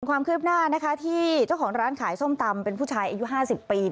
ความคืบหน้านะคะที่เจ้าของร้านขายส้มตำเป็นผู้ชายอายุ๕๐ปี